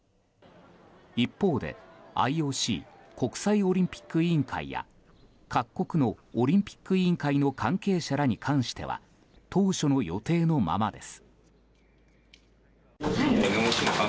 一方でＩＯＣ・国際オリンピック委員会や各国のオリンピック委員会の関係者らに関しては当初の予定のままです。